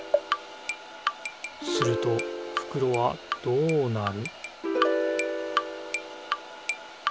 するとふくろはどうなる？